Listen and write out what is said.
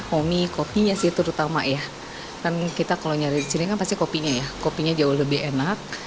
homem kopinya situ utama ya kan kita kalau nyari jaringan pasti cobotnya ya kopinya jauh lebih enak